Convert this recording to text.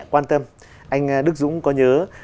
quan tâm anh đức dũng có nhớ